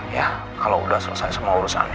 ya kalau udah selesai sama urusannya